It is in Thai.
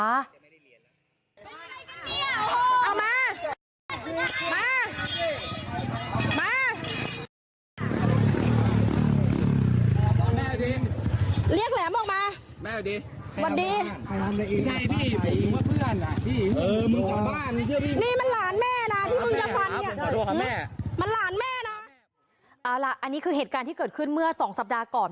อันนี้คือเหตุการณ์ที่เกิดขึ้นเมื่อสองสัปดาห์ก่อน